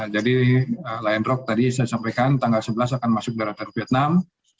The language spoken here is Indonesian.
jadi lion rock tadi saya sampaikan tanggal sebelas akan masuk daratan vietnam